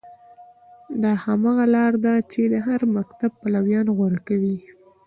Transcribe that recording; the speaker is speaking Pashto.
دا هماغه لاره ده چې د هر مکتب پلویان غوره کوي.